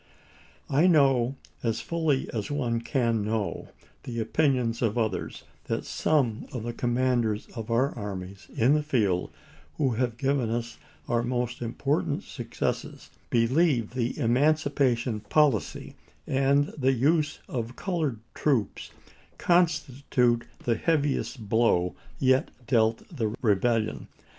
I know, as fully as one can know the opinions of others, that some of the commanders of our armies in the field, who have given us our most important successes, believe the emancipation policy and the use of the colored troops THE DEFEAT OF THE PEACE PAETY AT THE POLLS 383 constitute the heaviest blow yet dealt to the rebellion, ch. xiii.